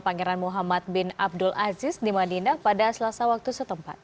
pangeran muhammad bin abdul aziz di madinah pada selasa waktu setempat